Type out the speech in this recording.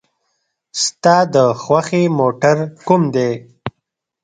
ستا د خوښې موټر کوم دی؟